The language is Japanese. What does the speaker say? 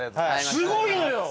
すごいのよ。